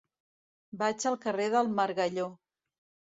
Vaig al carrer del Margalló.